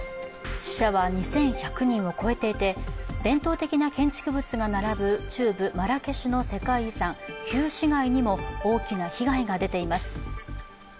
死者は２１００人を超えていて伝統的な建築物が並ぶ中部マラケシュの世界遺産、旧市街にも大きな被害が出ています。